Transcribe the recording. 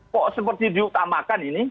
kok seperti diutamakan ini